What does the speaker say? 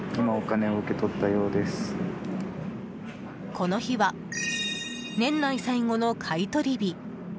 この日は年内最後の買い取り日。